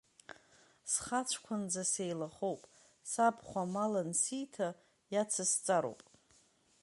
Схацәқәанӡа сеилахоуп, сабхәа амал ансиҭа, иацысҵароуп.